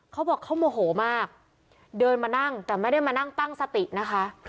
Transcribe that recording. เขาบอกเขาโมโหมากเดินมานั่งแต่ไม่ได้มานั่งตั้งสตินะคะ